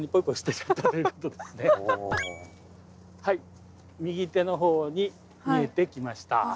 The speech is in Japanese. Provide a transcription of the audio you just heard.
はい右手の方に見えてきました。